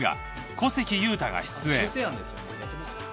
小関裕太が出演。